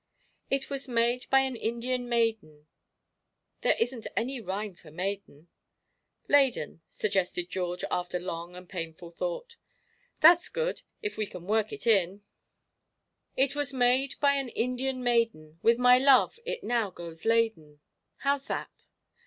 "It was made by an Indian maiden there isn't any rhyme for 'maiden.'" "Laden," suggested George, after long and painful thought. "That's good, if we can work it in." "It was made by an Indian maiden With my love it now goes laden. "How's that?"